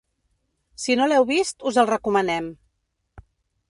Si no l’heu vist, us el recomanem.